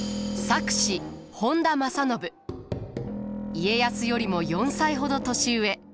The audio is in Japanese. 家康よりも４歳ほど年上。